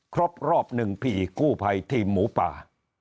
ครบรอบหนึ่งผีกู้ภัยทีมหมูป่า